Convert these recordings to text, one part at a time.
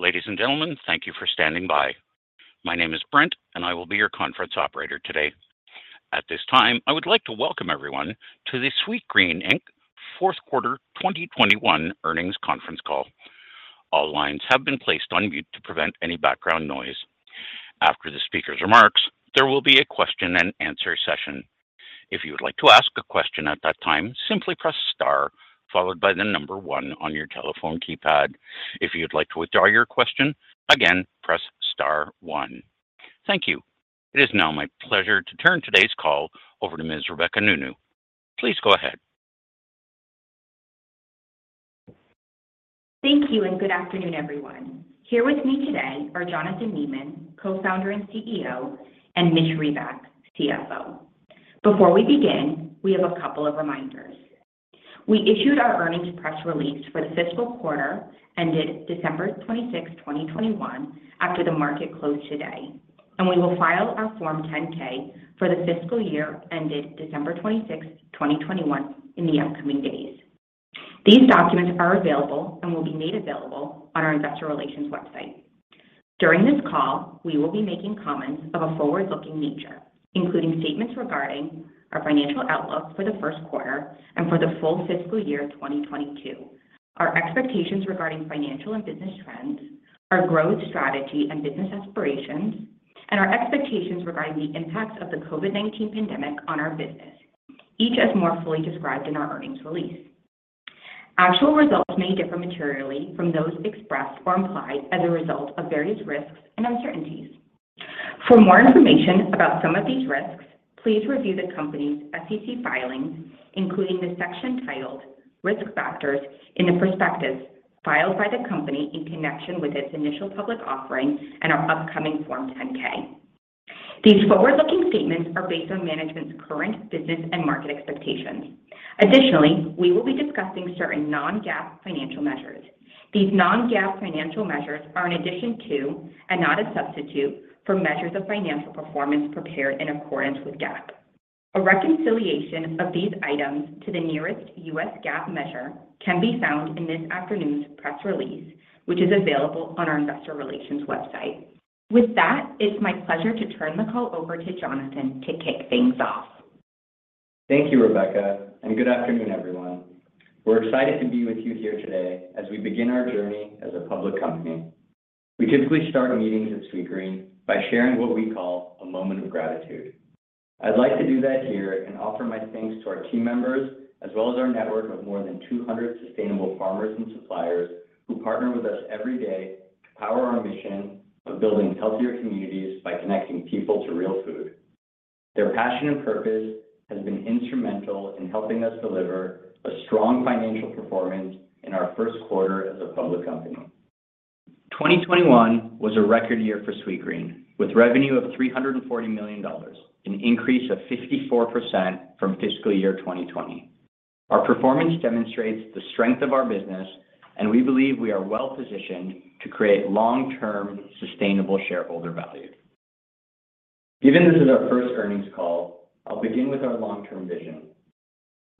Ladies and gentlemen, thank you for standing by. My name is Brent, and I will be your conference operator today. At this time, I would like to welcome everyone to the Sweetgreen Inc. fourth quarter 2021 earnings conference call. All lines have been placed on mute to prevent any background noise. After the speaker's remarks, there will be a question-and-answer session. If you would like to ask a question at that time, simply press star followed by the number one on your telephone keypad. If you'd like to withdraw your question, again, press star one. Thank you. It is now my pleasure to turn today's call over to Ms. Rebecca Nounou. Please go ahead. Thank you, and good afternoon, everyone. Here with me today are Jonathan Neman, Co-founder and CEO, and Mitch Reback, CFO. Before we begin, we have a couple of reminders. We issued our earnings press release for the fiscal quarter ended December 26, 2021 after the market closed today, and we will file our Form 10-K for the fiscal year ended December 26, 2021 in the upcoming days. These documents are available and will be made available on our investor relations website. During this call, we will be making comments of a forward-looking nature, including statements regarding our financial outlook for the first quarter and for the full fiscal year 2022, our expectations regarding financial and business trends, our growth strategy and business aspirations, and our expectations regarding the impacts of the COVID-19 pandemic on our business, each as more fully described in our earnings release. Actual results may differ materially from those expressed or implied as a result of various risks and uncertainties. For more information about some of these risks, please review the company's SEC filings, including the section titled Risk Factors in the prospectus filed by the company in connection with its initial public offering and our upcoming Form 10-K. These forward-looking statements are based on management's current business and market expectations. Additionally, we will be discussing certain non-GAAP financial measures. These non-GAAP financial measures are in addition to and not a substitute for measures of financial performance prepared in accordance with GAAP. A reconciliation of these items to the nearest U.S. GAAP measure can be found in this afternoon's press release, which is available on our investor relations website. With that, it's my pleasure to turn the call over to Jonathan Neman to kick things off. Thank you, Rebecca, and good afternoon, everyone. We're excited to be with you here today as we begin our journey as a public company. We typically start meetings at Sweetgreen by sharing what we call a moment of gratitude. I'd like to do that here and offer my thanks to our team members as well as our network of more than 200 sustainable farmers and suppliers who partner with us every day to power our mission of building healthier communities by connecting people to real food. Their passion and purpose has been instrumental in helping us deliver a strong financial performance in our first quarter as a public company. 2021 was a record year for Sweetgreen, with revenue of $340 million, an increase of 54% from fiscal year 2020. Our performance demonstrates the strength of our business, and we believe we are well-positioned to create long-term sustainable shareholder value. Given this is our first earnings call, I’ll begin with our long-term vision.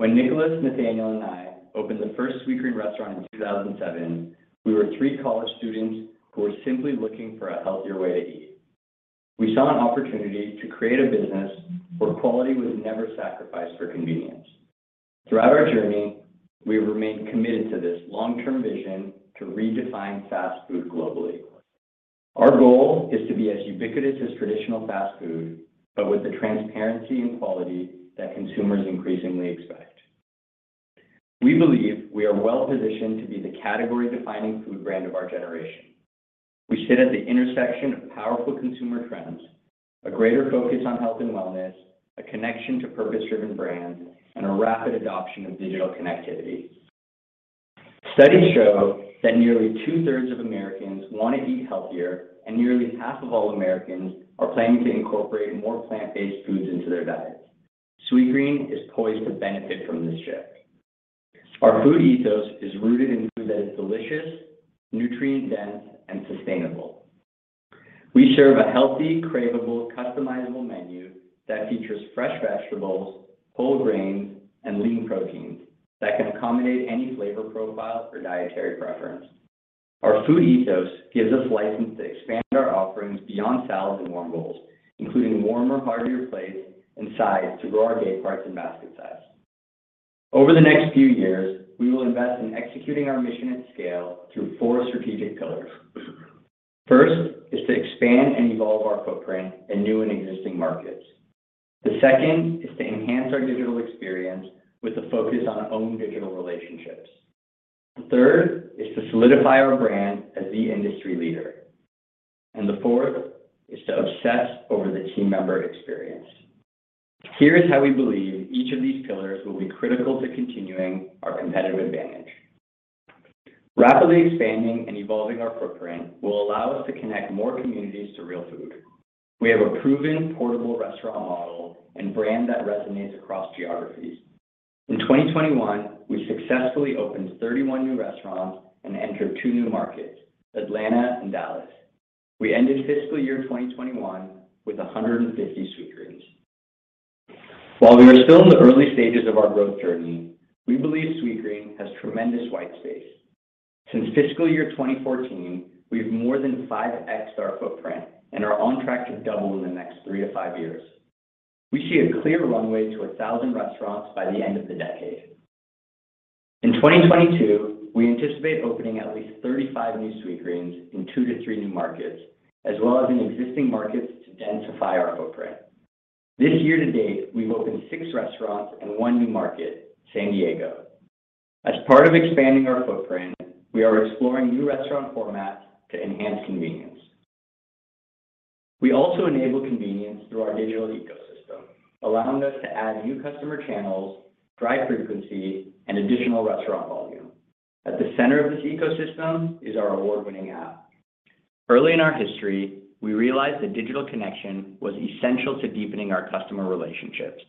When Nicolas, Nathaniel, and I opened the first Sweetgreen restaurant in 2007, we were three college students who were simply looking for a healthier way to eat. We saw an opportunity to create a business where quality was never sacrificed for convenience. Throughout our journey, we have remained committed to this long-term vision to redefine fast food globally. Our goal is to be as ubiquitous as traditional fast food, but with the transparency and quality that consumers increasingly expect. We believe we are well-positioned to be the category-defining food brand of our generation. We sit at the intersection of powerful consumer trends, a greater focus on health and wellness, a connection to purpose-driven brands, and a rapid adoption of digital connectivity. Studies show that nearly two-thirds of Americans want to eat healthier and nearly half of all Americans are planning to incorporate more plant-based foods into their diet. Sweetgreen is poised to benefit from this shift. Our food ethos is rooted in food that is delicious, nutrient-dense, and sustainable. We serve a healthy, craveable, customizable menu that features fresh vegetables, whole grains, and lean proteins that can accommodate any flavor profile or dietary preference. Our food ethos gives us license to expand our offerings beyond salads and warm bowls, including warm or heartier plates and sides to grow our day parts and basket size. Over the next few years, we will invest in executing our mission at scale through four strategic pillars. First is to expand and evolve our footprint in new and existing markets. The second is to enhance our digital experience with a focus on owned digital relationships. The third is to solidify our brand as the industry leader, and the fourth is to obsess over the team member experience. Here is how we believe each of these pillars will be critical to continuing our competitive advantage. Rapidly expanding and evolving our footprint will allow us to connect more communities to real food. We have a proven portable restaurant model and brand that resonates across geographies. In 2021, we successfully opened 31 new restaurants and entered 2 new markets: Atlanta and Dallas. We ended fiscal year 2021 with 150 Sweetgreens. While we are still in the early stages of our growth journey, we believe Sweetgreen has tremendous white space. Since fiscal year 2014, we have more than 5x'd our footprint and are on track to double in the next three to five years. We see a clear runway to 1,000 restaurants by the end of the decade. In 2022, we anticipate opening at least 35 new Sweetgreens in two to three new markets, as well as in existing markets to densify our footprint. This year to date, we've opened six restaurants and one new market, San Diego. As part of expanding our footprint, we are exploring new restaurant formats to enhance convenience. We also enable convenience through our digital ecosystem, allowing us to add new customer channels, drive frequency, and additional restaurant volume. At the center of this ecosystem is our award-winning app. Early in our history, we realized the digital connection was essential to deepening our customer relationships.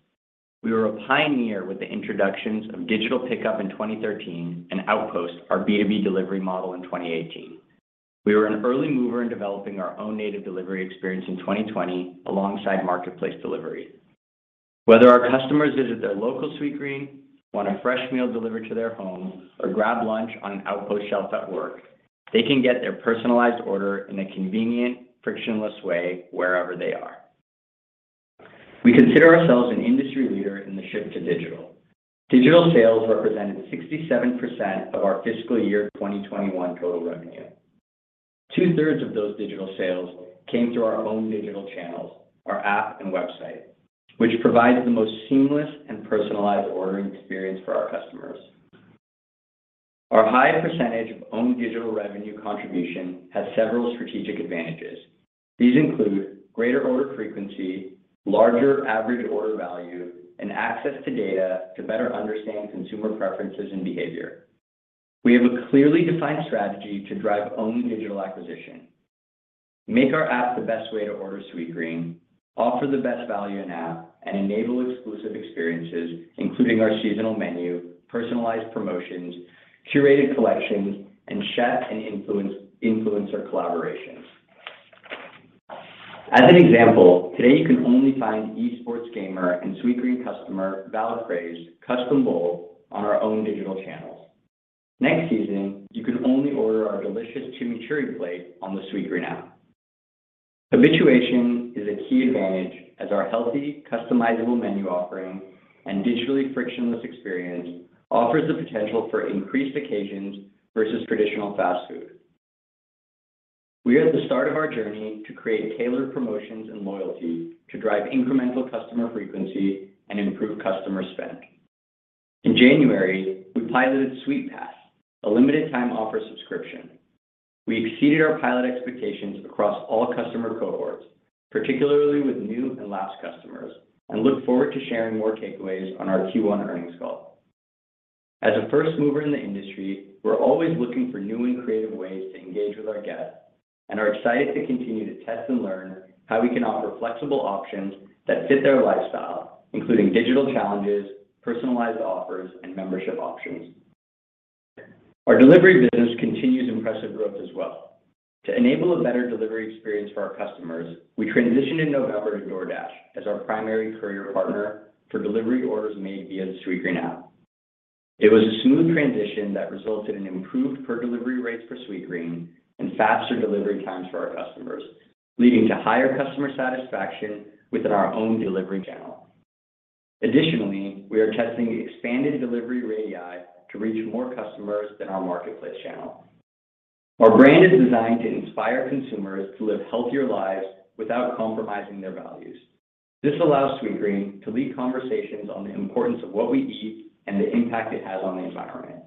We were a pioneer with the introductions of digital pickup in 2013 and Outpost, our B2B delivery model in 2018. We were an early mover in developing our own native delivery experience in 2020, alongside marketplace delivery. Whether our customers visit their local Sweetgreen, want a fresh meal delivered to their home, or grab lunch on an Outpost shelf at work, they can get their personalized order in a convenient, frictionless way wherever they are. We consider ourselves an industry leader in the shift to digital. Digital sales represented 67% of our fiscal year 2021 total revenue. Two-thirds of those digital sales came through our own digital channels, our app and website, which provided the most seamless and personalized ordering experience for our customers. Our high percentage of own digital revenue contribution has several strategic advantages. These include greater order frequency, larger average order value, and access to data to better understand consumer preferences and behavior. We have a clearly defined strategy to drive own digital acquisition, make our app the best way to order Sweetgreen, offer the best value in app, and enable exclusive experiences, including our seasonal menu, personalized promotions, curated collections, and chef and influencer collaborations. As an example, today you can only find esports gamer and Sweetgreen customer, Valkyrae, custom bowl on our own digital channels. Next season, you can only order our delicious Chimichurri Plate on the Sweetgreen app. Habituation is a key advantage as our healthy, customizable menu offering and digitally frictionless experience offers the potential for increased occasions versus traditional fast food. We are at the start of our journey to create tailored promotions and loyalty to drive incremental customer frequency and improve customer spend. In January, we piloted Sweetpass, a limited time offer subscription. We exceeded our pilot expectations across all customer cohorts, particularly with new and lapsed customers, and look forward to sharing more takeaways on our Q1 earnings call. As a first mover in the industry, we're always looking for new and creative ways to engage with our guests and are excited to continue to test and learn how we can offer flexible options that fit their lifestyle, including digital challenges, personalized offers, and membership options. Our delivery business continues impressive growth as well. To enable a better delivery experience for our customers, we transitioned in November to DoorDash as our primary courier partner for delivery orders made via the Sweetgreen app. It was a smooth transition that resulted in improved per delivery rates for Sweetgreen and faster delivery times for our customers, leading to higher customer satisfaction within our own delivery channel. Additionally, we are testing expanded delivery radii to reach more customers than our marketplace channel. Our brand is designed to inspire consumers to live healthier lives without compromising their values. This allows Sweetgreen to lead conversations on the importance of what we eat and the impact it has on the environment.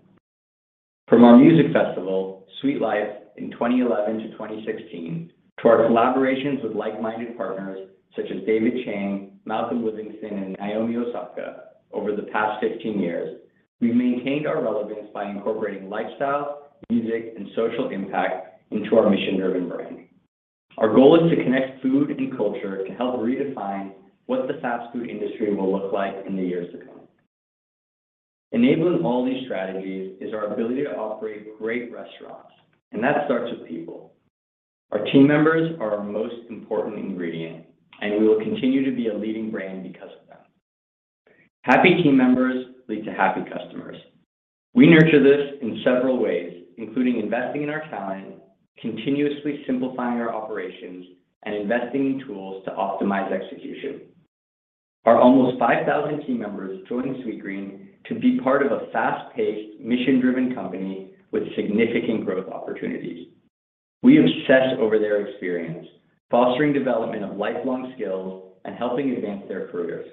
From our music festival, Sweetlife, in 2011 to 2016, to our collaborations with like-minded partners such as David Chang, Malcolm Livingston, and Naomi Osaka over the past 15 years, we've maintained our relevance by incorporating lifestyle, music, and social impact into our mission-driven brand. Our goal is to connect food and culture to help redefine what the fast food industry will look like in the years to come. Enabling all these strategies is our ability to operate great restaurants, and that starts with people. Our team members are our most important ingredient, and we will continue to be a leading brand because of them. Happy team members lead to happy customers. We nurture this in several ways, including investing in our talent, continuously simplifying our operations, and investing in tools to optimize execution. Our almost 5,000 team members join Sweetgreen to be part of a fast-paced, mission-driven company with significant growth opportunities. We obsess over their experience, fostering development of lifelong skills and helping advance their careers.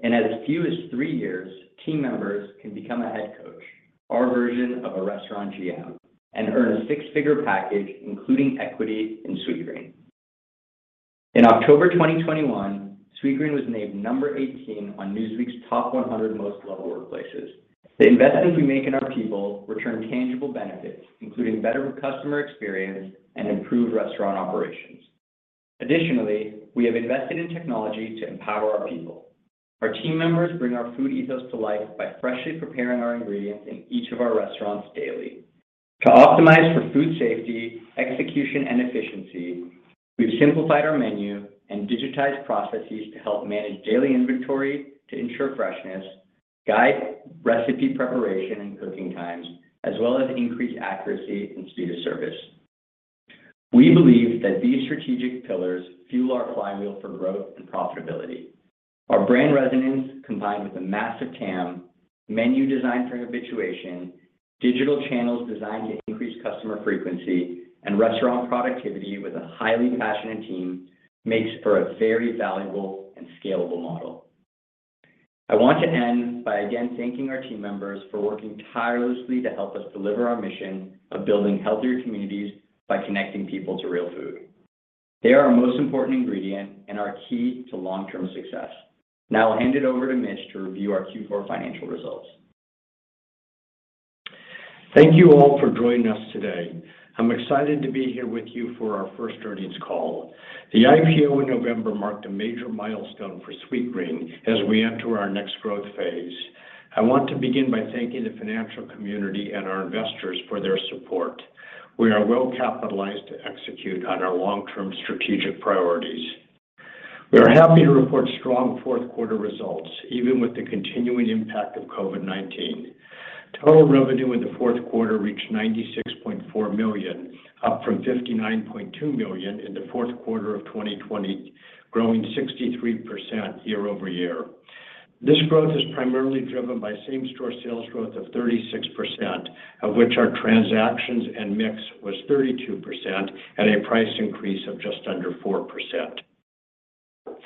In as few as three years, team members can become a head coach, our version of a restaurant GM, and earn a six-figure package, including equity in Sweetgreen. In October 2021, Sweetgreen was named number 18 on Newsweek's Top 100 Most Loved Workplaces. The investments we make in our people return tangible benefits, including better customer experience and improved restaurant operations. Additionally, we have invested in technology to empower our people. Our team members bring our food ethos to life by freshly preparing our ingredients in each of our restaurants daily. To optimize for food safety, execution, and efficiency, we've simplified our menu and digitized processes to help manage daily inventory to ensure freshness, guide recipe preparation and cooking times, as well as increase accuracy and speed of service. We believe that these strategic pillars fuel our flywheel for growth and profitability. Our brand resonance, combined with a massive TAM, menu designed for habituation, digital channels designed to increase customer frequency, and restaurant productivity with a highly passionate team makes for a very valuable and scalable model. I want to end by again thanking our team members for working tirelessly to help us deliver our mission of building healthier communities by connecting people to real food. They are our most important ingredient and are key to long-term success. Now I'll hand it over to Mitch to review our Q4 financial results. Thank you all for joining us today. I'm excited to be here with you for our first earnings call. The IPO in November marked a major milestone for Sweetgreen as we enter our next growth phase. I want to begin by thanking the financial community and our investors for their support. We are well capitalized to execute on our long-term strategic priorities. We are happy to report strong fourth quarter results, even with the continuing impact of COVID-19. Total revenue in the fourth quarter reached $96.4 million, up from $59.2 million in the fourth quarter of 2020, growing 63% year-over-year. This growth is primarily driven by same-store sales growth of 36%, of which our transactions and mix was 32% at a price increase of just under 4%.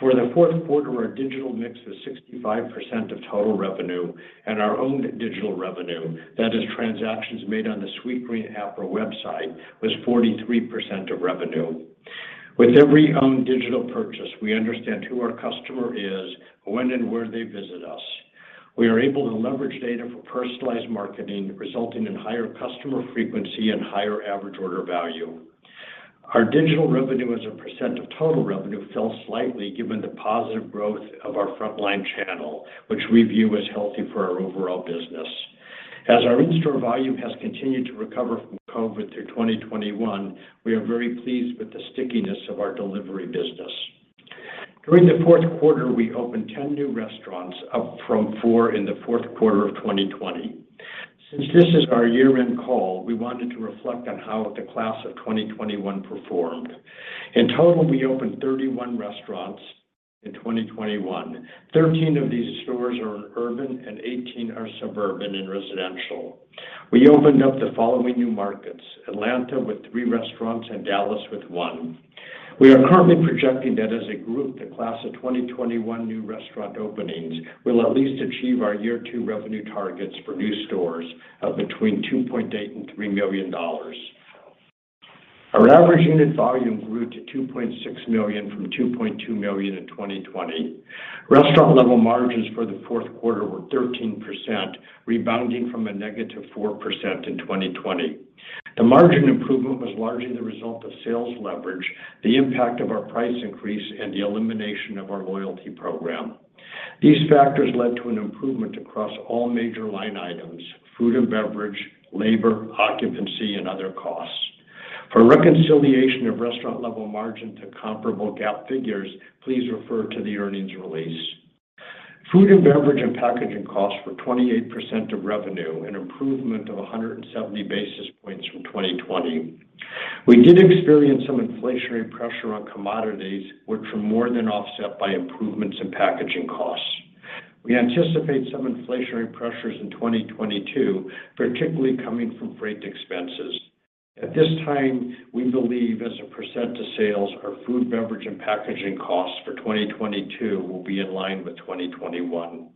For the fourth quarter, our digital mix was 65% of total revenue, and our owned digital revenue, that is transactions made on the Sweetgreen app or website, was 43% of revenue. With every owned digital purchase, we understand who our customer is, when and where they visit us. We are able to leverage data for personalized marketing, resulting in higher customer frequency and higher average order value. Our digital revenue as a percent of total revenue fell slightly given the positive growth of our frontline channel, which we view as healthy for our overall business. As our in-store volume has continued to recover from COVID through 2021, we are very pleased with the stickiness of our delivery business. During the fourth quarter, we opened 10 new restaurants, up from four in the fourth quarter of 2020. Since this is our year-end call, we wanted to reflect on how the class of 2021 performed. In total, we opened 31 restaurants in 2021. 13 of these stores are in urban and 18 are suburban and residential. We opened up the following new markets, Atlanta with three restaurants and Dallas with 1. We are currently projecting that as a group, the class of 2021 new restaurant openings will at least achieve our year two revenue targets for new stores of between $2.8 million and $3 million. Our average unit volume grew to $2.6 million from $2.2 million in 2020. Restaurant-level margins for the fourth quarter were 13%, rebounding from a negative 4% in 2020. The margin improvement was largely the result of sales leverage, the impact of our price increase, and the elimination of our loyalty program. These factors led to an improvement across all major line items, food and beverage, labor, occupancy, and other costs. For reconciliation of restaurant-level margin to comparable GAAP figures, please refer to the earnings release. Food and beverage and packaging costs were 28% of revenue, an improvement of 170 basis points from 2020. We did experience some inflationary pressure on commodities, which were more than offset by improvements in packaging costs. We anticipate some inflationary pressures in 2022, particularly coming from freight expenses. At this time, we believe as a percent of sales, our food, beverage, and packaging costs for 2022 will be in line with 2021.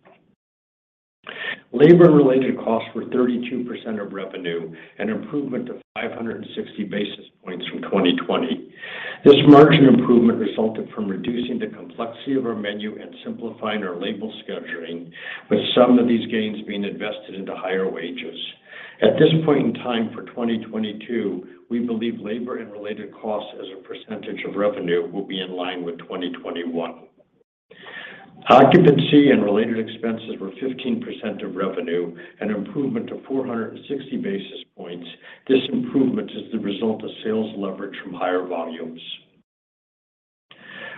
Labor and related costs were 32% of revenue, an improvement of 560 basis points from 2020. This margin improvement resulted from reducing the complexity of our menu and simplifying our labor scheduling, with some of these gains being invested into higher wages. At this point in time for 2022, we believe labor and related costs as a percentage of revenue will be in line with 2021. Occupancy and related expenses were 15% of revenue, an improvement of 460 basis points. This improvement is the result of sales leverage from higher volumes.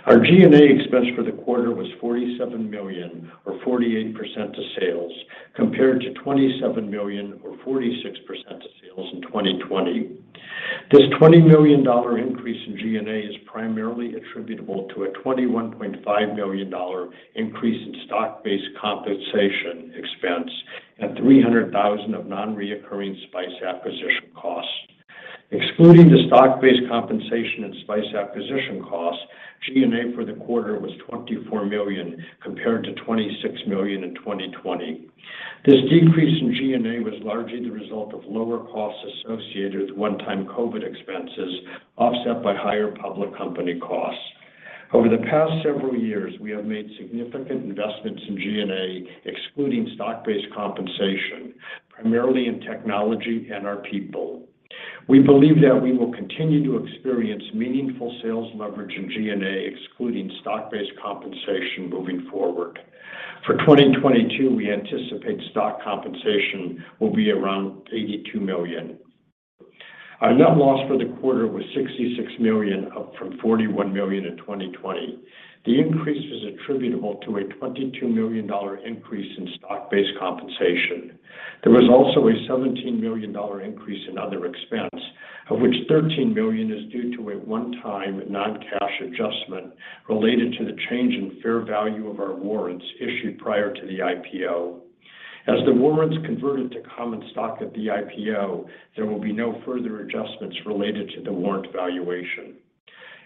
Our G&A expense for the quarter was $47 million or 48% of sales, compared to $27 million or 46% of sales in 2020. This $20 million increase in G&A is primarily attributable to a $21.5 million increase in stock-based compensation expense and $300,000 of non-recurring Spyce acquisition costs. Excluding the stock-based compensation and Spyce acquisition costs, G&A for the quarter was $24 million compared to $26 million in 2020. This decrease in G&A was largely the result of lower costs associated with one-time COVID expenses, offset by higher public company costs. Over the past several years, we have made significant investments in G&A, excluding stock-based compensation, primarily in technology and our people. We believe that we will continue to experience meaningful sales leverage in G&A, excluding stock-based compensation moving forward. For 2022, we anticipate stock compensation will be around $82 million. Our net loss for the quarter was $66 million, up from $41 million in 2020. The increase was attributable to a $22 million increase in stock-based compensation. There was also a $17 million increase in other expense, of which $13 million is due to a one-time non-cash adjustment related to the change in fair value of our warrants issued prior to the IPO. As the warrants converted to common stock at the IPO, there will be no further adjustments related to the warrant valuation.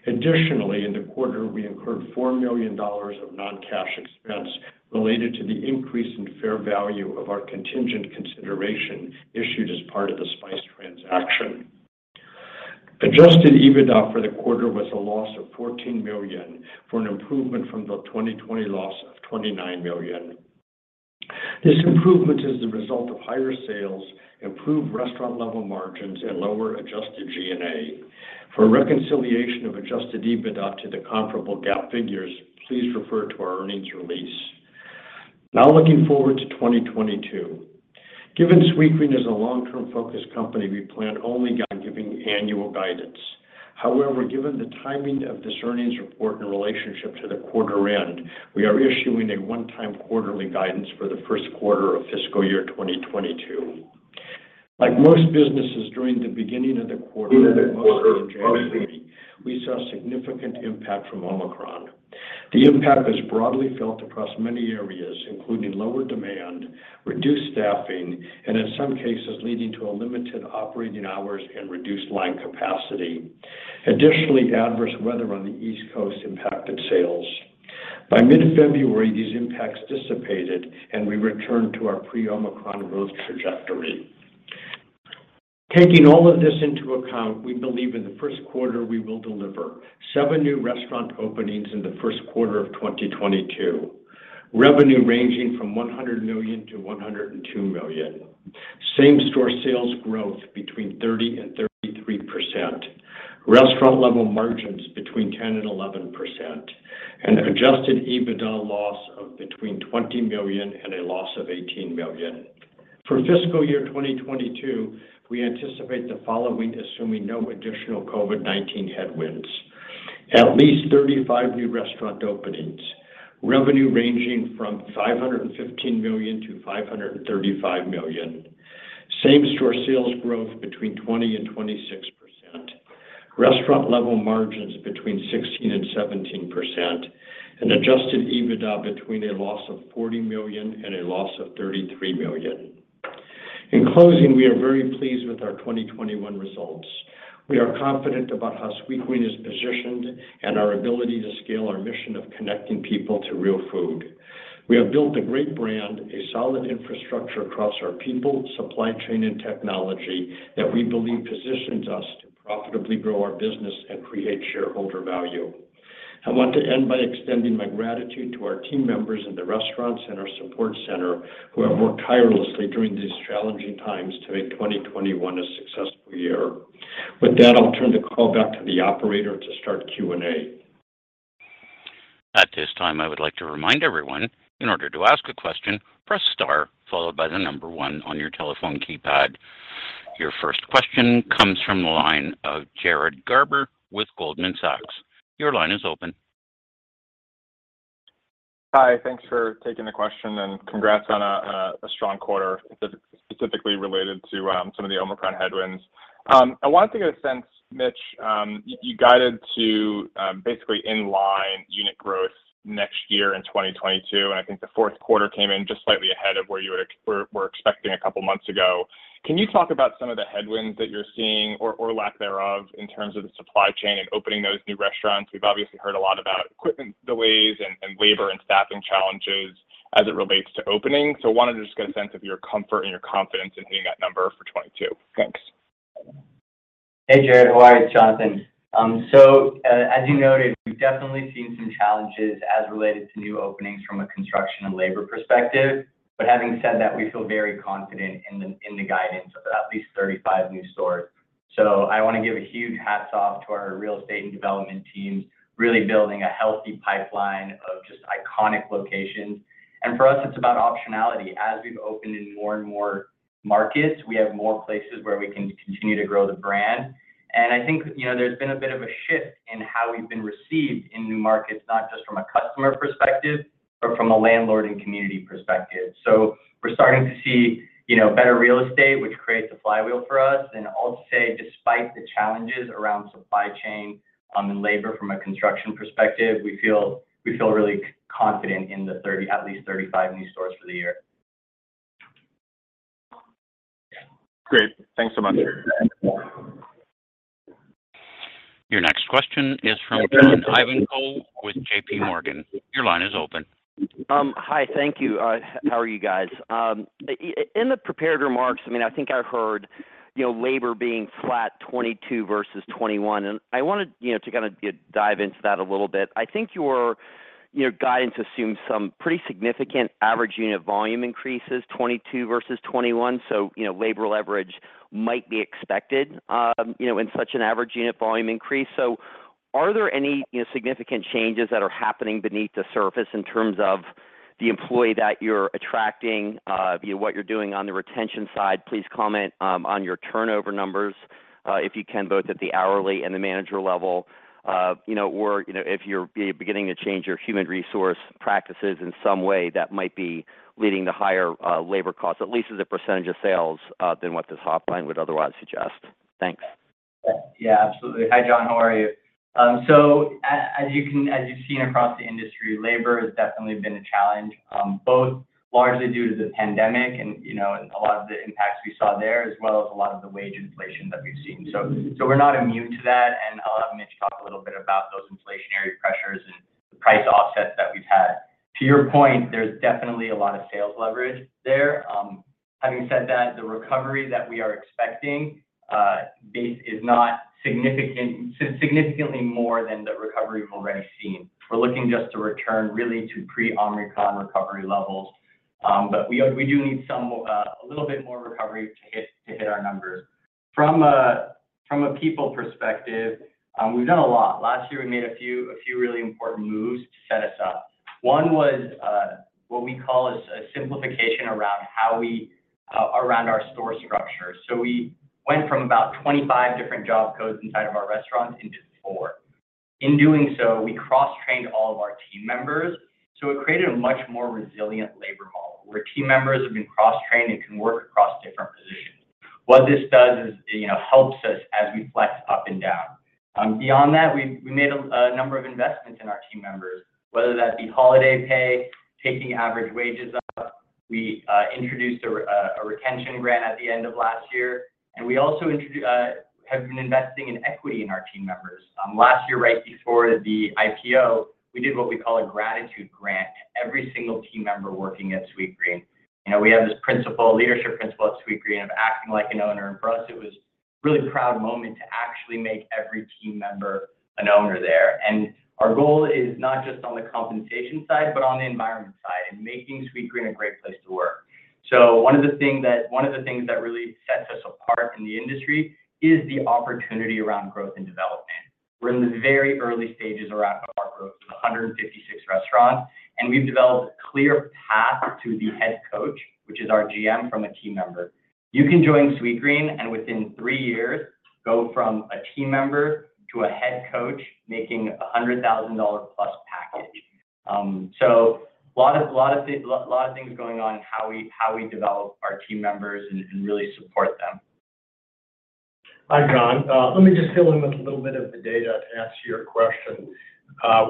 Additionally, in the quarter, we incurred $4 million of non-cash expense related to the increase in fair value of our contingent consideration issued as part of the Spyce transaction. Adjusted EBITDA for the quarter was a loss of $14 million for an improvement from the 2020 loss of $29 million. This improvement is the result of higher sales, improved restaurant-level margins, and lower adjusted G&A. For a reconciliation of Adjusted EBITDA to the comparable GAAP figures, please refer to our earnings release. Now looking forward to 2022. Given Sweetgreen is a long-term focused company, we plan only on giving annual guidance. However, given the timing of this earnings report in relationship to the quarter end, we are issuing a one-time quarterly guidance for the first quarter of fiscal year 2022. Like most businesses during the beginning of the quarter and mostly in January, we saw significant impact from Omicron. The impact was broadly felt across many areas, including lower demand, reduced staffing, and in some cases, leading to a limited operating hours and reduced line capacity. Additionally, adverse weather on the East Coast impacted sales. By mid-February, these impacts dissipated, and we returned to our pre-Omicron growth trajectory. Taking all of this into account, we believe in the first quarter we will deliver seven new restaurant openings in the first quarter of 2022. Revenue ranging from $100 million to $102 million. Same-store sales growth between 30%-33%. Restaurant-level margins between 10%-11%. Adjusted EBITDA loss of between $20 million and a loss of $18 million. For fiscal year 2022, we anticipate the following, assuming no additional COVID-19 headwinds. At least 35 new restaurant openings. Revenue ranging from $515 million to $535 million. Same-store sales growth between 20%-26%. Restaurant-level margins between 16%-17%. Adjusted EBITDA between a loss of $40 million and a loss of $33 million. In closing, we are very pleased with our 2021 results. We are confident about how Sweetgreen is positioned and our ability to scale our mission of connecting people to real food. We have built a great brand, a solid infrastructure across our people, supply chain, and technology that we believe positions us to profitably grow our business and create shareholder value. I want to end by extending my gratitude to our team members in the restaurants and our support center who have worked tirelessly during these challenging times to make 2021 a successful year. With that, I'll turn the call back to the operator to start Q&A. At this time, I would like to remind everyone, in order to ask a question, press star followed by the number one on your telephone keypad. Your first question comes from the line of Jared Garber with Goldman Sachs. Your line is open. Hi. Thanks for taking the question, and congrats on a strong quarter, specifically related to some of the Omicron headwinds. I wanted to get a sense, Mitch, you guided to basically in line unit growth next year in 2022, and I think the fourth quarter came in just slightly ahead of where you were expecting a couple months ago. Can you talk about some of the headwinds that you're seeing or lack thereof in terms of the supply chain and opening those new restaurants? We've obviously heard a lot about equipment delays and labor and staffing challenges as it relates to opening. Wanted to just get a sense of your comfort and your confidence in hitting that number for 2022. Thanks. Hey, Jared. How are you? It's Jonathan. So, as you noted, we've definitely seen some challenges as related to new openings from a construction and labor perspective. Having said that, we feel very confident in the guidance of at least 35 new stores. I wanna give a huge hats off to our real estate and development teams, really building a healthy pipeline of just iconic locations. For us, it's about optionality. As we've opened in more and more markets, we have more places where we can continue to grow the brand. I think, you know, there's been a bit of a shift in how we've been received in new markets, not just from a customer perspective, but from a landlord and community perspective. We're starting to see, you know, better real estate, which creates a flywheel for us. I'll say despite the challenges around supply chain, and labor from a construction perspective, we feel really confident in at least 35 new stores for the year. Great. Thanks so much. Your next question is from John Ivankoe with J.P. Morgan. Your line is open. Hi. Thank you. How are you guys? In the prepared remarks, I mean, I think I heard, you know, labor being flat 2022 versus 2021, and I wanted, you know, to kind of dive into that a little bit. I think your guidance assumes some pretty significant average unit volume increases, 2022 versus 2021, so, you know, labor leverage might be expected, you know, in such an average unit volume increase. Are there any, you know, significant changes that are happening beneath the surface in terms of the employee that you're attracting, via what you're doing on the retention side? Please comment, on your turnover numbers, if you can, both at the hourly and the manager level. You know, if you're beginning to change your human resource practices in some way that might be leading to higher labor costs, at least as a percentage of sales, than what this top line would otherwise suggest. Thanks. Yeah, absolutely. Hi, John, how are you? As you've seen across the industry, labor has definitely been a challenge, both largely due to the pandemic and, you know, a lot of the impacts we saw there, as well as a lot of the wage inflation that we've seen. We're not immune to that, and I'll have Mitch talk a little bit about those inflationary pressures and the price offsets that we've had. To your point, there's definitely a lot of sales leverage there. Having said that, the recovery that we are expecting is not significantly more than the recovery we've already seen. We're looking just to return really to pre-Omicron recovery levels. We do need some a little bit more recovery to hit our numbers. From a people perspective, we've done a lot. Last year, we made a few really important moves to set us up. One was what we call a simplification around our store structure. We went from about 25 different job codes inside of our restaurants into four. In doing so, we cross-trained all of our team members, so it created a much more resilient labor model, where team members have been cross-trained and can work across different positions. What this does is, you know, helps us as we flex up and down. Beyond that, we made a number of investments in our team members, whether that be holiday pay, taking average wages up. We introduced a retention grant at the end of last year, and we also have been investing in equity in our team members. Last year, right before the IPO, we did what we call a gratitude grant to every single team member working at Sweetgreen. You know, we have this principle, leadership principle at Sweetgreen of acting like an owner, and for us, it was a really proud moment to actually make every team member an owner there. Our goal is not just on the compensation side, but on the environment side and making Sweetgreen a great place to work. One of the things that really sets us apart in the industry is the opportunity around growth and development. We're in the very early stages around our growth to 156 restaurants, and we've developed a clear path to the head coach, which is our GM, from a team member. You can join Sweetgreen, and within three years, go from a team member to a head coach making a $100,000-plus package. Lot of things going on in how we develop our team members and really support them. Hi, John. Let me just fill in with a little bit of the data to answer your question.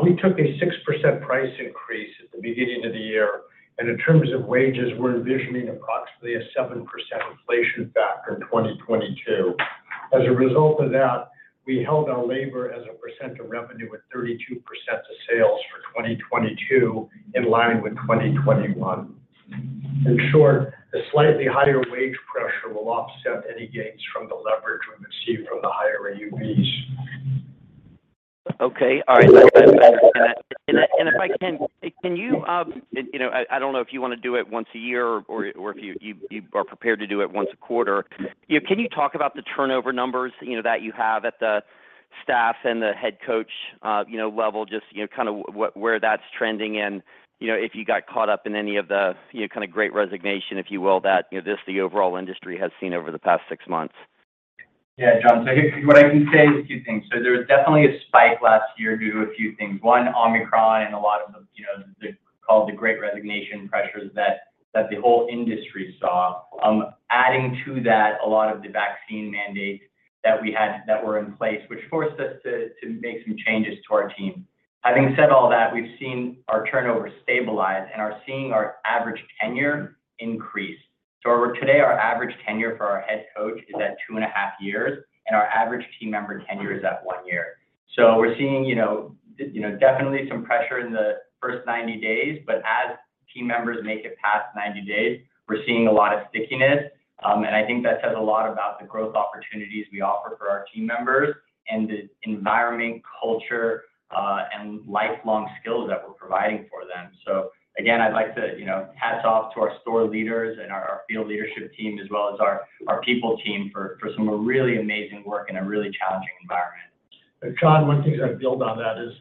We took a 6% price increase at the beginning of the year, and in terms of wages, we're envisioning approximately a 7% inflation factor in 2022. As a result of that, we held our labor as a percent of revenue at 32% of sales for 2022, in line with 2021. In short, the slightly higher wage pressure will offset any gains from the leverage we've received from the higher AUVs. You know, I don't know if you wanna do it once a year or if you are prepared to do it once a quarter. You know, can you talk about the turnover numbers, you know, that you have at the staff and the headcount level, just, you know, kind of where that's trending and, you know, if you got caught up in any of the, you know, kind of great resignation, if you will, that the overall industry has seen over the past six months? Yeah, John. Here, what I can say is a few things. There was definitely a spike last year due to a few things. One, Omicron and a lot of the you know the so-called Great Resignation pressures that the whole industry saw. Adding to that, a lot of the vaccine mandates that we had that were in place, which forced us to make some changes to our team. Having said all that, we've seen our turnover stabilize and are seeing our average tenure increase. We're today our average tenure for our head coach is at 2.5 years, and our average team member tenure is at 1 year. We're seeing you know definitely some pressure in the first 90 days, but as team members make it past 90 days, we're seeing a lot of stickiness. I think that says a lot about the growth opportunities we offer for our team members and the environment, culture, and lifelong skills that we're providing for them. Again, I'd like to, you know, hats off to our store leaders and our field leadership team as well as our people team for some really amazing work in a really challenging environment. John, one thing to build on that is,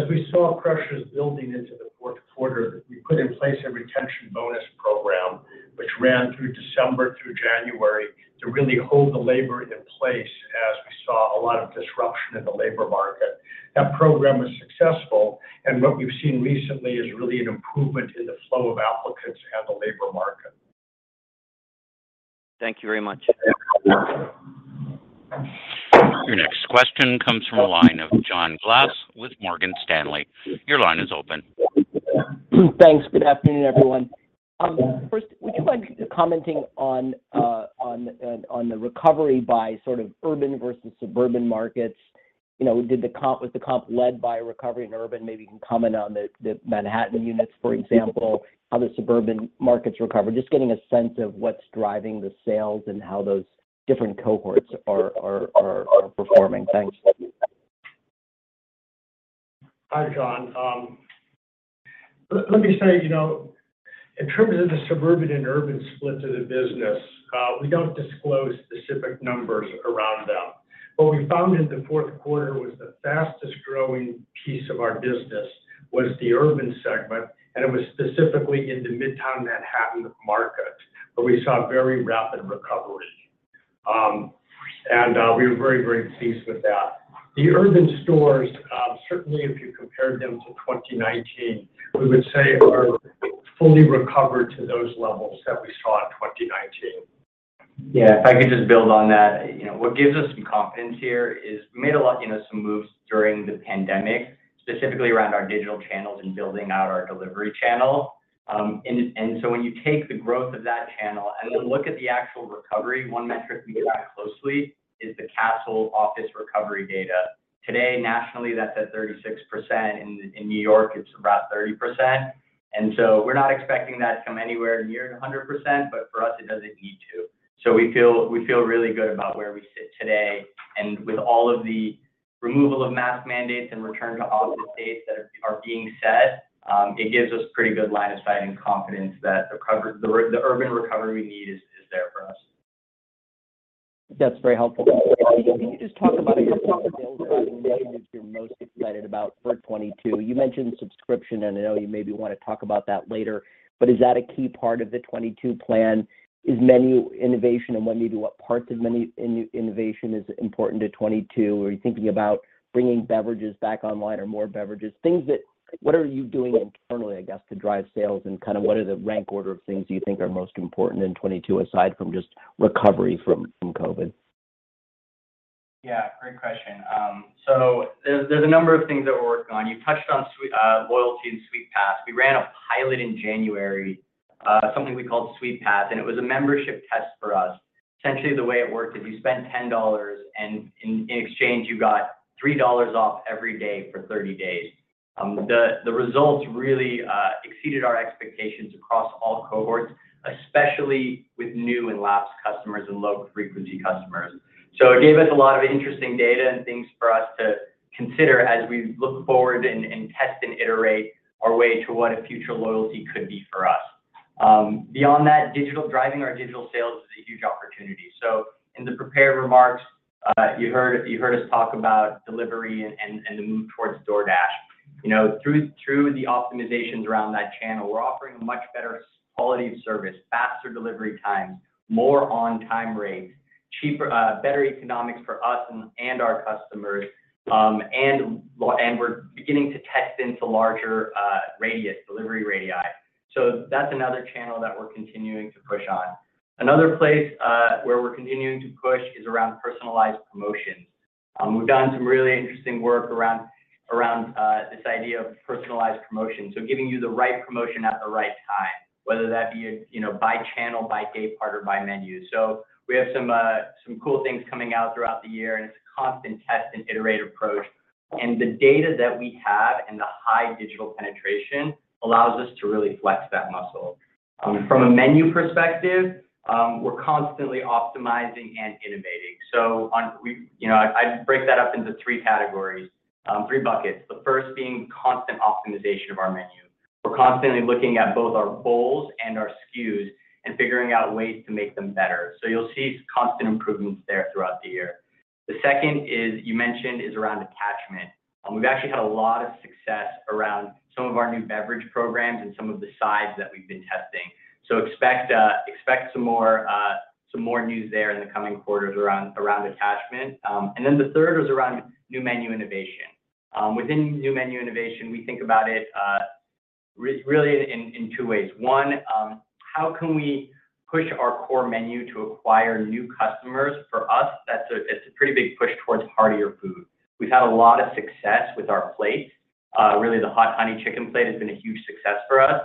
as we saw pressures building into the fourth quarter, we put in place a retention bonus program, which ran through December through January, to really hold the labor in place as we saw a lot of disruption in the labor market. That program was successful, and what we've seen recently is really an improvement in the flow of applicants and the labor market. Thank you very much. Your next question comes from the line of John Glass with Morgan Stanley. Your line is open. Thanks. Good afternoon, everyone. First, would you mind commenting on the recovery by sort of urban versus suburban markets? You know, was the comp led by recovery in urban? Maybe you can comment on the Manhattan units, for example, how the suburban markets recovered. Just getting a sense of what's driving the sales and how those different cohorts are performing. Thanks. Hi, John. Let me say, you know, in terms of the suburban and urban split to the business, we don't disclose specific numbers around that. What we found in the fourth quarter was the fastest growing piece of our business was the urban segment, and it was specifically in the midtown Manhattan market, where we saw very rapid recovery. We were very, very pleased with that. The urban stores, certainly if you compared them to 2019, we would say are fully recovered to those levels that we saw in 2019. Yeah, if I could just build on that. You know, what gives us some confidence here is we made a lot, you know, some moves during the pandemic, specifically around our digital channels and building out our delivery channel. When you take the growth of that channel and then look at the actual recovery, one metric we look at closely is the Kastle office recovery data. Today, nationally, that's at 36%. In New York, it's about 30%. We're not expecting that to come anywhere near 100%, but for us, it doesn't need to. We feel really good about where we sit today. With all of the removal of mask mandates and return to office dates that are being set, it gives us pretty good line of sight and confidence that the urban recovery we need is there for us. That's very helpful. Can you just talk about initiatives you're most excited about for 2022?You mentioned subscription, and I know you maybe wanna talk about that later, but is that a key part of the 2022 plan? Is menu innovation and when you do what parts of menu innovation is important to 2022? Are you thinking about bringing beverages back online or more beverages? What are you doing internally, I guess, to drive sales and kind of what are the rank order of things you think are most important in 2022, aside from just recovery from COVID? Yeah, great question. So there's a number of things that we're working on. You touched on loyalty and Sweetpass. We ran a pilot in January, something we called Sweetpass, and it was a membership test for us. Essentially, the way it worked is you spent $10, and in exchange, you got $3 off every day for 30 days. The results really exceeded our expectations across all cohorts, especially with new and lapsed customers and low frequency customers. It gave us a lot of interesting data and things for us to consider as we look forward and test and iterate our way to what a future loyalty could be for us. Beyond that, digital, driving our digital sales is a huge opportunity. In the prepared remarks, you heard us talk about delivery and the move towards DoorDash. You know, through the optimizations around that channel, we're offering a much better quality of service, faster delivery times, more on-time rates, cheaper, better economics for us and our customers, and we're beginning to test into larger radius, delivery radii. That's another channel that we're continuing to push on. Another place where we're continuing to push is around personalized promotions. We've done some really interesting work around this idea of personalized promotion. Giving you the right promotion at the right time, whether that be, you know, by channel, by day part, or by menu. We have some cool things coming out throughout the year, and it's a constant test and iterate approach. The data that we have and the high digital penetration allows us to really flex that muscle. From a menu perspective, we're constantly optimizing and innovating. You know, I'd break that up into three categories, three buckets. The first being constant optimization of our menu. We're constantly looking at both our bowls and our SKUs and figuring out ways to make them better. So you'll see constant improvements there throughout the year. The second, you mentioned, is around attachment. We've actually had a lot of success around some of our new beverage programs and some of the sides that we've been testing. Expect some more news there in the coming quarters around attachment. The third was around new menu innovation. Within new menu innovation, we think about it really in two ways. One, how can we push our core menu to acquire new customers? For us, it's a pretty big push towards heartier food. We've had a lot of success with our plates. Really the Hot Honey Chicken Plate has been a huge success for us.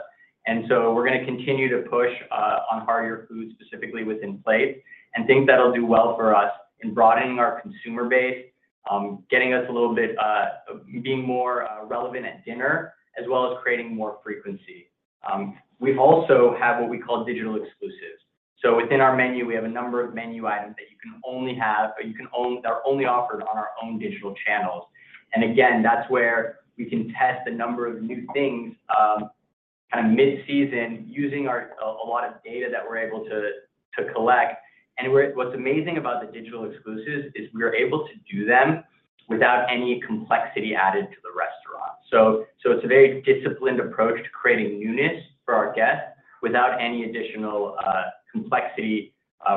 We're gonna continue to push on heartier food, specifically within plates, and think that'll do well for us in broadening our consumer base, getting us a little bit being more relevant at dinner, as well as creating more frequency. We also have what we call digital exclusives. Within our menu, we have a number of menu items that you can only have, or you can order, that are only offered on our own digital channels. Again, that's where we can test a number of new things, kind of mid-season using our a lot of data that we're able to to collect. What's amazing about the digital exclusives is we are able to do them without any complexity added to the restaurant. It's a very disciplined approach to creating newness for our guests without any additional complexity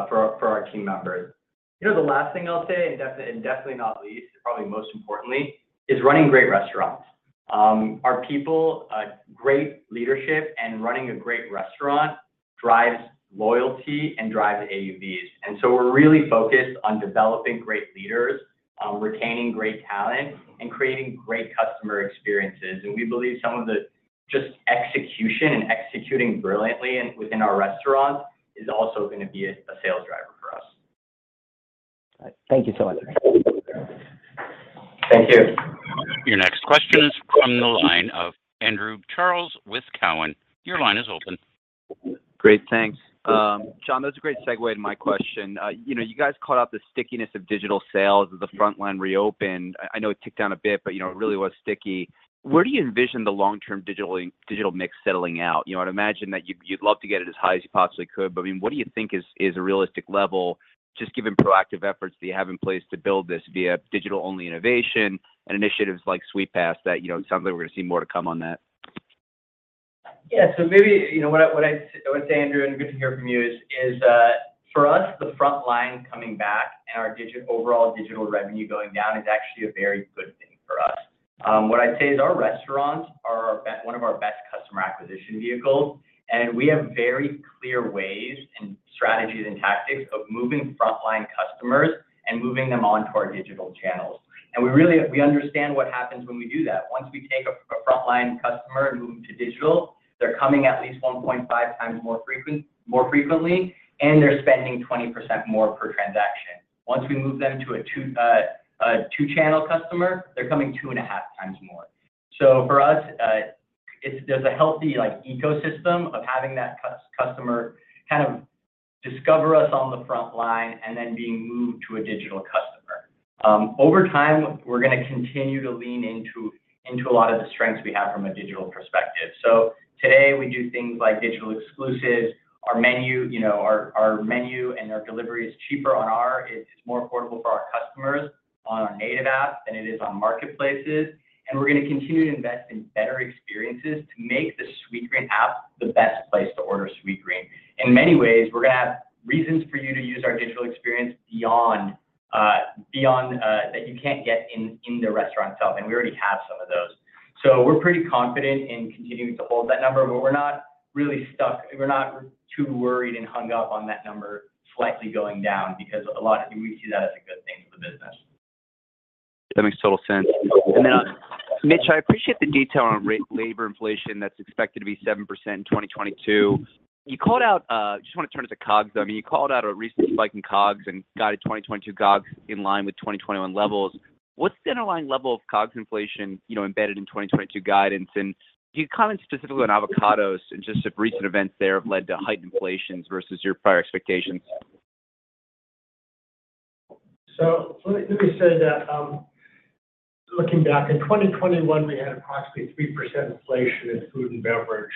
for our team members. You know, the last thing I'll say, and definitely not least, probably most importantly, is running great restaurants. Our people, great leadership and running a great restaurant drives loyalty and drives AUVs. We're really focused on developing great leaders, retaining great talent, and creating great customer experiences. We believe some of the just execution and executing brilliantly within our restaurants is also gonna be a sales driver for us. Thank you so much. Thank you. Your next question is from the line of Andrew Charles with Cowen. Your line is open. Great, thanks. John, that's a great segue to my question. You know, you guys called out the stickiness of digital sales as the frontline reopened. I know it ticked down a bit, but, you know, it really was sticky. Where do you envision the long-term digital mix settling out? You know, I'd imagine that you'd love to get it as high as you possibly could, but, I mean, what do you think is a realistic level just given proactive efforts that you have in place to build this via digital-only innovation and initiatives like Sweetpass that, you know, it sounds like we're gonna see more to come on that. Maybe, you know, what I'd say, Andrew, and good to hear from you, is for us, the frontline coming back and our overall digital revenue going down is actually a very good thing for us. What I'd say is our restaurants are one of our best customer acquisition vehicles, and we have very clear ways and strategies and tactics of moving frontline customers and moving them onto our digital channels. We understand what happens when we do that. Once we take a frontline customer and move them to digital, they're coming at least 1.5 times more frequently, and they're spending 20% more per transaction. Once we move them to a two-channel customer, they're coming two and half times more. For us, there's a healthy ecosystem of having that customer kind of discover us on the frontline and then being moved to a digital customer. Over time, we're gonna continue to lean into a lot of the strengths we have from a digital perspective. Today, we do things like digital exclusives. Our menu, you know, our menu and our delivery is cheaper on our. It's more affordable for our customers on our native app than it is on marketplaces. We're gonna continue to invest in better experiences to make the Sweetgreen app the best place to order Sweetgreen. In many ways, we're gonna have reasons for you to use our digital experience beyond that you can't get in the restaurant itself, and we already have some of those. We're pretty confident in continuing to hold that number, but we're not really stuck. We're not too worried and hung up on that number slightly going down because a lot of we see that as a good thing for the business. That makes total sense. Mitch, I appreciate the detail on labor inflation that's expected to be 7% in 2022. You called out, just wanna turn to the COGS though. I mean, you called out a recent spike in COGS and guided 2022 COGS in line with 2021 levels. What's the underlying level of COGS inflation, you know, embedded in 2022 guidance? Can you comment specifically on avocados and just if recent events there have led to heightened inflations versus your prior expectations? Let me say that, looking back, in 2021, we had approximately 3% inflation in food and beverage,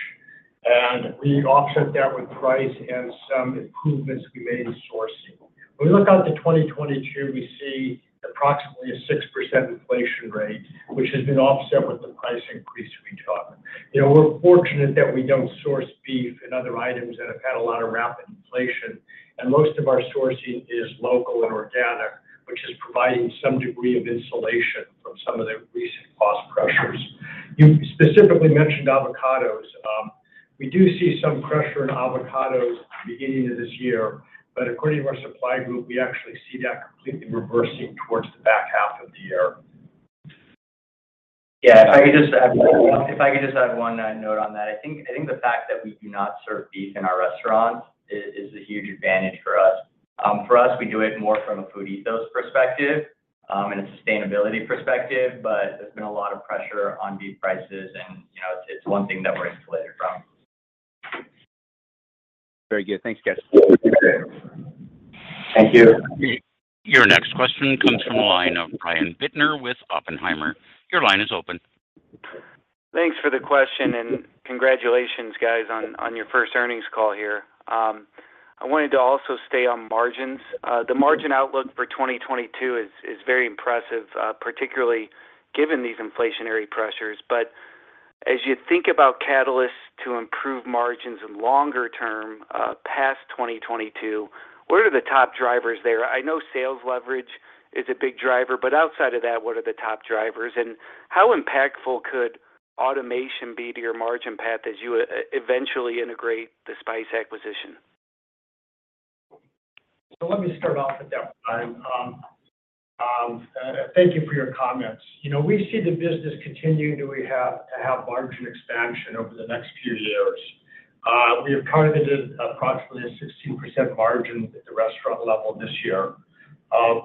and we offset that with price and some improvements we made in sourcing. When we look out to 2022, we see approximately a 6% inflation rate, which has been offset with the price increase we charged. You know, we're fortunate that we don't source beef and other items that have had a lot of rapid inflation, and most of our sourcing is local and organic, which is providing some degree of insulation from some of the recent cost pressures. You specifically mentioned avocados. We do see some pressure in avocados at the beginning of this year, but according to our supply group, we actually see that completely reversing towards the back half of the year. Yeah. If I could just add one, note on that. I think the fact that we do not serve beef in our restaurants is a huge advantage for us. For us, we do it more from a food ethos perspective, and a sustainability perspective, but there's been a lot of pressure on beef prices and, you know, it's one thing that we're insulated from. Very good. Thanks, guys. Appreciate it. Thank you. Your next question comes from the line of Brian Bittner with Oppenheimer. Your line is open. Thanks for the question and congratulations, guys, on your first earnings call here. I wanted to also stay on margins. The margin outlook for 2022 is very impressive, particularly given these inflationary pressures. As you think about catalysts to improve margins in longer term, past 2022, what are the top drivers there? I know sales leverage is a big driver, but outside of that, what are the top drivers? How impactful could automation be to your margin path as you eventually integrate the Spyce acquisition? Let me start off with that one, Brian. Thank you for your comments. You know, we see the business continuing to have margin expansion over the next few years. We have targeted approximately a 16% margin at the restaurant-level this year.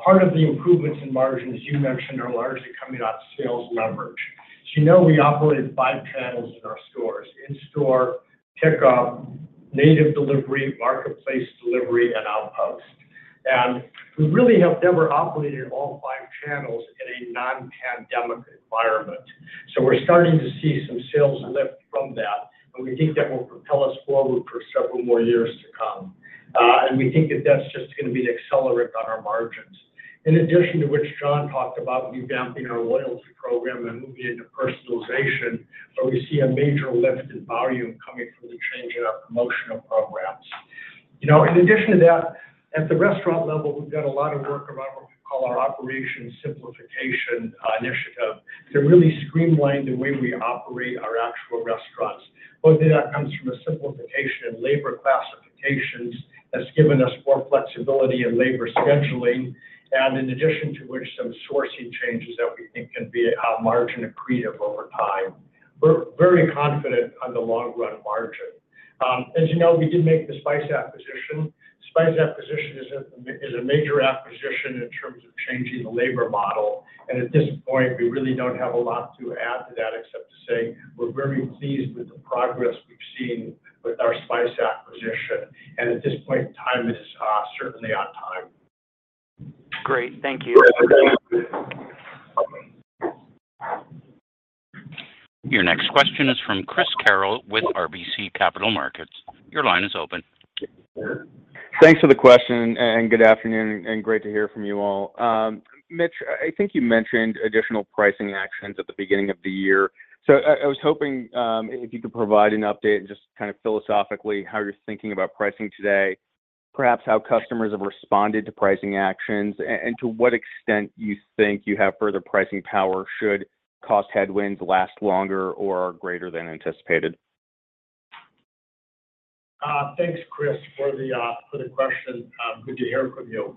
Part of the improvements in margin, as you mentioned, are largely coming out in sales leverage. As you know, we operate five channels in our stores: in-store, pickup, native delivery, marketplace delivery, and Outpost. We really have never operated all five channels in a non-pandemic environment. We're starting to see some sales lift from that, and we think that will propel us forward for several more years to come. We think that that's just gonna be an accelerant on our margins. In addition to which John talked about revamping our loyalty program and moving into personalization, so we see a major lift in volume coming from the change in our promotional programs. You know, in addition to that, at the restaurant level, we've done a lot of work around what we call our operations simplification initiative to really streamline the way we operate our actual restaurants. Most of that comes from a simplification in labor classifications that's given us more flexibility in labor scheduling and in addition to which some sourcing changes that we think can be margin accretive over time. We're very confident on the long-run margin. As you know, we did make the Spyce acquisition, which is a major acquisition in terms of changing the labor model. At this point, we really don't have a lot to add to that except to say we're very pleased with the progress we've seen with our Spyce acquisition. At this point in time, it is certainly on time. Great. Thank you. Your next question is from Christopher Carril with RBC Capital Markets. Your line is open. Thanks for the question and good afternoon and great to hear from you all. Mitch, I think you mentioned additional pricing actions at the beginning of the year. I was hoping if you could provide an update and just kind of philosophically how you're thinking about pricing today, perhaps how customers have responded to pricing actions, and to what extent you think you have further pricing power should cost headwinds last longer or are greater than anticipated. Thanks, Chris, for the question. Good to hear from you.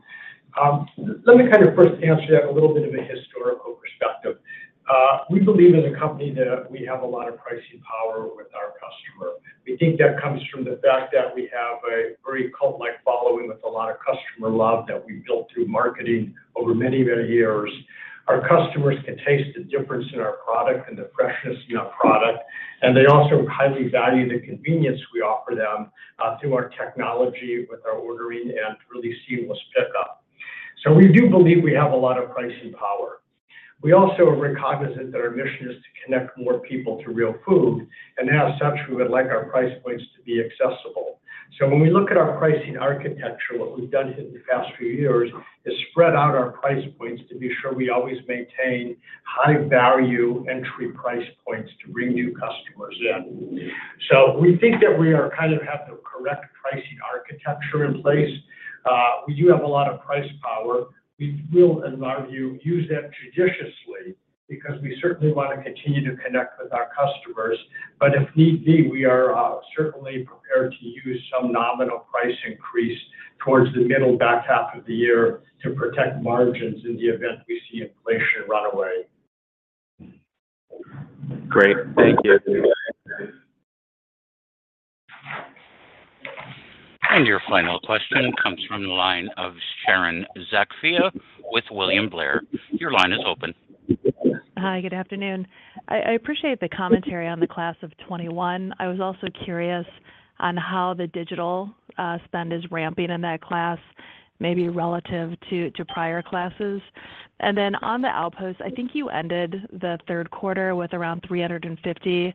Let me kind of first answer that with a little bit of a historical perspective. We believe as a company that we have a lot of pricing power with our customer. We think that comes from the fact that we have a very cult-like following with a lot of customer love that we built through marketing over many, many years. Our customers can taste the difference in our product and the freshness in our product, and they also highly value the convenience we offer them through our technology with our ordering and really seamless pickup. We do believe we have a lot of pricing power. We also are cognizant that our mission is to connect more people to real food, and as such, we would like our price points to be accessible. When we look at our pricing architecture, what we've done here in the past few years is spread out our price points to be sure we always maintain high value entry price points to bring new customers in. We think that we are kind of have the correct pricing architecture in place. We do have a lot of price power. We will, in our view, use that judiciously because we certainly wanna continue to connect with our customers. If need be, we are certainly prepared to use some nominal price increase towards the middle back half of the year to protect margins in the event we see inflation run away. Great. Thank you. Your final question comes from the line of Sharon Zackfia with William Blair. Your line is open. Hi, good afternoon. I appreciate the commentary on the class of 2021. I was also curious on how the digital spend is ramping in that class, maybe relative to prior classes. On the Outpost, I think you ended the third quarter with around 350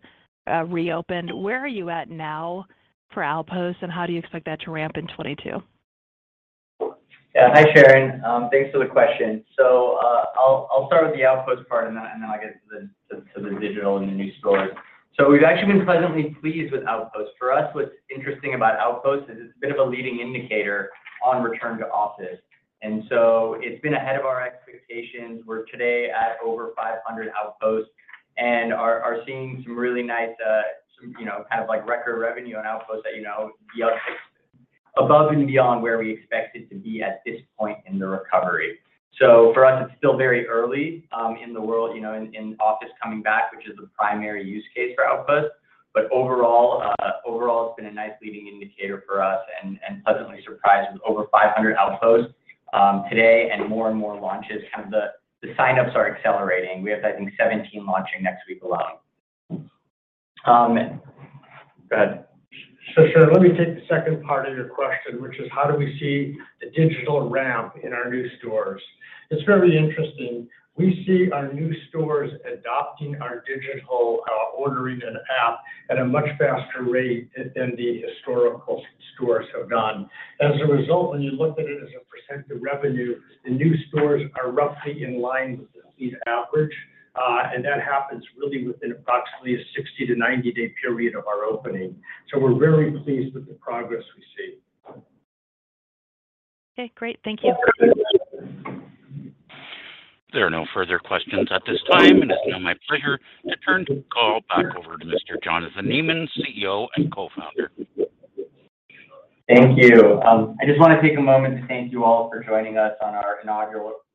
reopened. Where are you at now for Outpost, and how do you expect that to ramp in 2022? Yeah. Hi, Sharon. Thanks for the question. I'll start with the Outpost part and then I'll get to the digital in the new stores. We've actually been pleasantly pleased with Outpost. For us, what's interesting about Outpost is it's a bit of a leading indicator on return to office. It's been ahead of our expectations. We're today at over 500 Outpost and are seeing some really nice, some, you know, kind of like record revenue on Outpost that, you know, Mm-hmm. above and beyond where we expect it to be at this point in the recovery. For us, it's still very early, you know, in the world, in office coming back, which is the primary use case for Outpost. Overall, it's been a nice leading indicator for us and pleasantly surprised with over 500 Outpost today and more and more launches. Kind of the signups are accelerating. We have, I think 17 launching next week alone. Go ahead. Sharon, let me take the second part of your question, which is how do we see the digital ramp in our new stores. It's very interesting. We see our new stores adopting our digital ordering and app at a much faster rate than the historical stores have done. As a result, when you look at it as a percent of revenue, the new stores are roughly in line with the fleet average. That happens really within approximately a 60- to 90-day period of our opening. We're very pleased with the progress we see. Okay, great. Thank you. There are no further questions at this time. It is now my pleasure to turn the call back over to Mr. Jonathan Neman, CEO and Co-Founder. Thank you. I just wanna take a moment to thank you all for joining us on our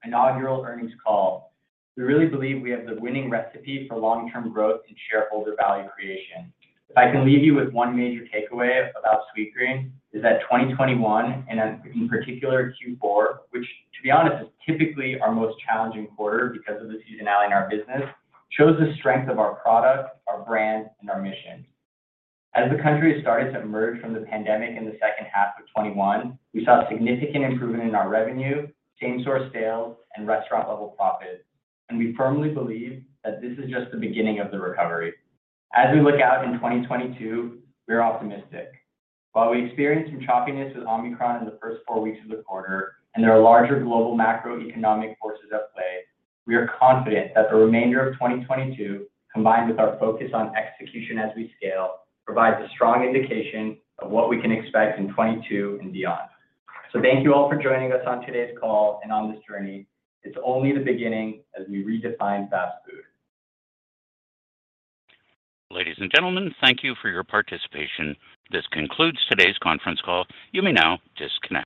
inaugural earnings call. We really believe we have the winning recipe for long-term growth and shareholder value creation. If I can leave you with one major takeaway about Sweetgreen, is that 2021, and in particular Q4, which to be honest is typically our most challenging quarter because of the seasonality in our business, shows the strength of our product, our brand, and our mission. As the country started to emerge from the pandemic in the second half of 2021, we saw significant improvement in our revenue, same-store sales, and restaurant-level profit. We firmly believe that this is just the beginning of the recovery. As we look out in 2022, we're optimistic. While we experienced some choppiness with Omicron in the first four weeks of the quarter, and there are larger global macroeconomic forces at play, we are confident that the remainder of 2022, combined with our focus on execution as we scale, provides a strong indication of what we can expect in 2022 and beyond. Thank you all for joining us on today's call and on this journey. It's only the beginning as we redefine fast food. Ladies and gentlemen, thank you for your participation. This concludes today's conference call. You may now disconnect.